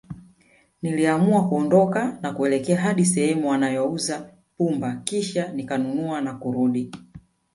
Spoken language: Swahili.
Niliamua kuondoka na kuelekea hadi sehemu wanayouza pumba Kisha nikanunua na kurudi